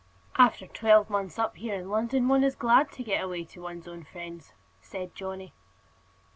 "After twelve months up here in London one is glad to get away to one's own friends," said Johnny.